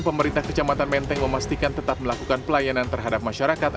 pemerintah kecamatan menteng memastikan tetap melakukan pelayanan terhadap masyarakat